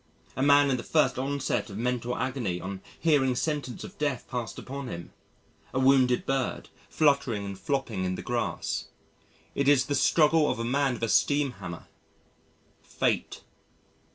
A man in the first onset of mental agony on hearing sentence of death passed upon him. A wounded bird, fluttering and flopping in the grass. It is the struggle of a man with a steam hammer Fate.